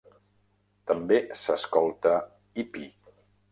També s'escolta "Ippi".